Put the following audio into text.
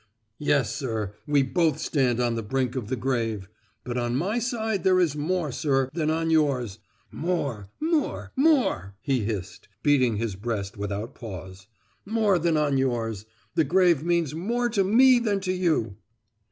"Yes, sir, we both stand on the brink of the grave, but on my side there is more, sir, than on yours—yes, more, more, more!" he hissed, beating his breast without pause—"more than on yours—the grave means more to me than to you!"